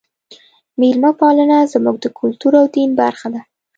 میلمه پالنه زموږ د کلتور او دین برخه ده.